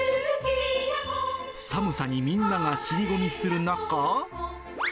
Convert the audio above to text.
寒さにみんなが尻込みする中。